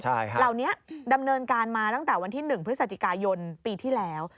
เหล่านี้ดำเนินการมาตั้งแต่วันที่๑พฤศจิกายนปีที่แล้ว